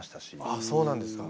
あっそうなんですか。